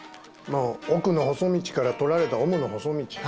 奥の細道から取られたオムの細道。